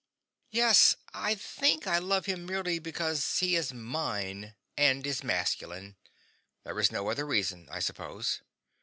Yes, I think I love him merely because he is MINE and is MASCULINE. There is no other reason, I suppose.